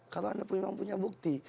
kalau anda memang punya bukti